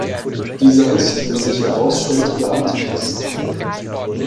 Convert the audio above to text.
Dieser ist, wie sich herausstellt, der Antichrist.